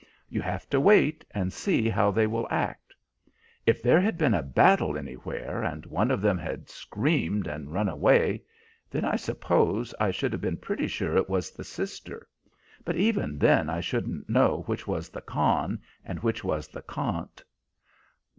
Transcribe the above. You have to wait and see how they will act. If there had been a battle anywhere, and one of them had screamed, and run away, then I suppose I should have been pretty sure it was the sister; but even then I shouldn't know which was the Khan and which was the Khant."